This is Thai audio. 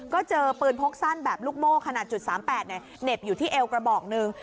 ก็เจอปืนพกสั้นแบบลูกโม่ขนาด๓๘เหน็บอยู่ที่เอวกระบอกหนึ่ง